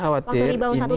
waktu rebound satu tahun